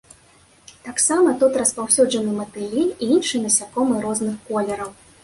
Таксама тут распаўсюджаны матылі і іншыя насякомыя розных колераў.